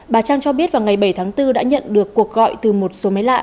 bà trang cho biết vào ngày bảy tháng bốn đã nhận được cuộc gọi từ một số máy lạ